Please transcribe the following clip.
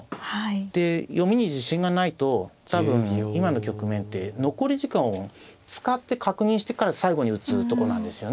で読みに自信がないと多分今の局面って残り時間を使って確認してから最後に打つとこなんですよね。